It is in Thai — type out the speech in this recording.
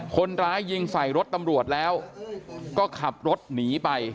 คนร้ายยิงใส่รถตำรวจแล้วก็ขับรถหนีไป